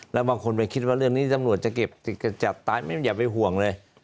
แล้วบางคนไปคิดว่าเรื่องนี้ตำรวจจะเก็บจะจับตายไม่อย่าไปห่วงเลย